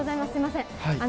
すみません。